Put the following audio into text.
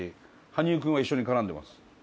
羽生君は一緒に絡んでます。